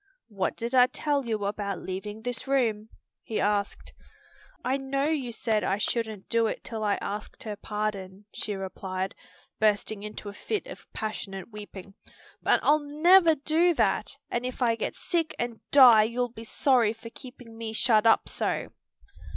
"What did I tell you about leaving this room?" he asked. "I know you said I shouldn't do it till I asked her pardon," she replied, bursting into a fit of passionate weeping, "but I'll never do that, and if I get sick and die you'll be sorry for keeping me shut up so."